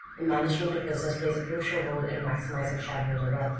The management of a business plays a crucial role in maximizing shareholder wealth.